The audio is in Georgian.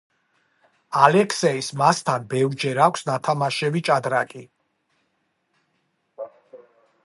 ალექსეის მასთან ბევრჯერ აქვს ნათამაშები ჭადრაკი.